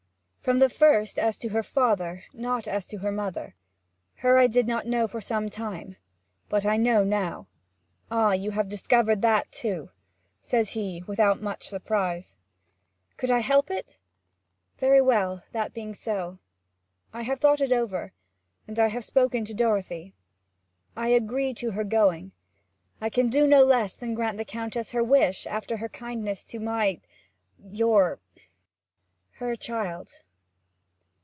'From the first as to her father, not as to her mother. Her I did not know for some time; but I know now.' 'Ah! you have discovered that too?' says he, without much surprise. 'Could I help it? Very well, that being so, I have thought it over; and I have spoken to Dorothy. I agree to her going. I can do no less than grant to the Countess her wish, after her kindness to my your her child.'